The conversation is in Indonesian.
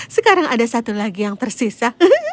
sekarang ada satu lagi yang tersisa